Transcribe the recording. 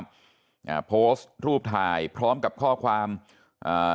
อ่าโพสต์รูปถ่ายพร้อมกับข้อความอ่า